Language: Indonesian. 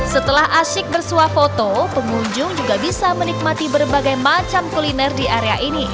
setelah asyik bersuah foto pengunjung juga bisa menikmati berbagai macam kuliner di area ini